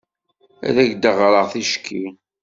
Ad ak-d-ɣreɣ ticki.